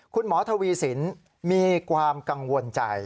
คุณหมอทวีสินมีความกังวลใจ